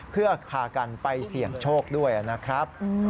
เพื่อพากันไปเสี่ยงโชคด้วยนะครับ